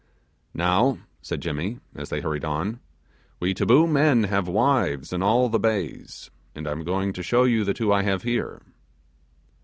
'Now,' said Jimmy, as they hurried on, 'we taboo men have wives in all the bays, and I am going to show you the two I have here.